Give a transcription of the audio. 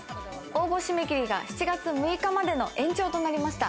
応募締め切りが７月６日までの延長となりました。